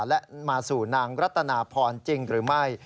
และมาสู่นางรัตนาพรจริงหรือไม่